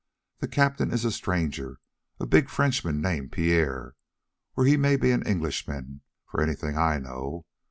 The captain is a stranger, a big Frenchman named Pierre, or he may be an Englishman for anything I know.